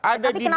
ada di dua